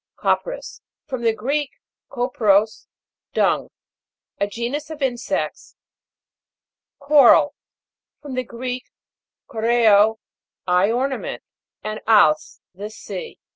CO'PRIS. From the Greek, kopros, dung. A genus of insects. CO'RAL. From the Greek, koreo, I ornament, and als, the sea.